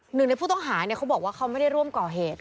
หนึ่งในผู้ต้องหาเขาบอกว่าเขาไม่ได้ร่วมก่อเหตุ